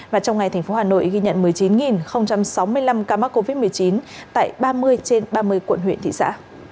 và trong ngày tp hà nội ghi nhận một mươi chín sáu mươi năm ca mắc covid một mươi chín tại ba mươi trên ba mươi quận huyện thị xã